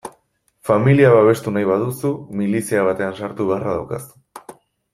Familia babestu nahi baduzu, milizia batean sartu beharra daukazu.